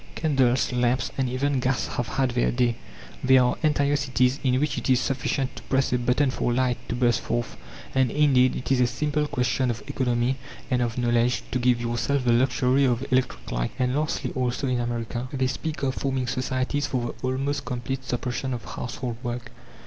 Candles, lamps, and even gas have had their day. There are entire cities in which it is sufficient to press a button for light to burst forth, and, indeed, it is a simple question of economy and of knowledge to give yourself the luxury of electric light. And lastly, also in America, they speak of forming societies for the almost complete suppression of household work.